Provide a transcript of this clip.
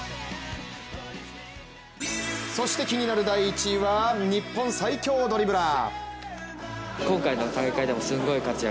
そして気になる１位は日本最強ドリブラー。